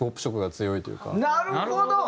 なるほど！